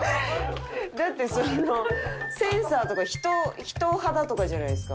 だってそのセンサーとか人肌とかじゃないですか。